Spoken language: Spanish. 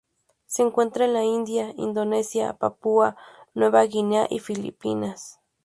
Se encuentra en la India, Indonesia, Papúa Nueva Guinea y Filipinas.